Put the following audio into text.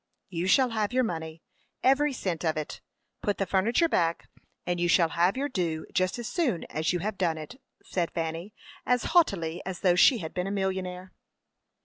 "You shall have your money every cent of it. Put the furniture back, and you shall have your due just as soon as you have done it," said Fanny, as haughtily as though she had been a millionaire.